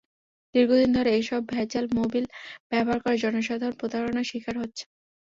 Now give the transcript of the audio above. দীর্ঘদিন ধরে এসব ভেজাল মবিল ব্যবহার করে জনসাধারণ প্রতারণার শিকার হচ্ছেন।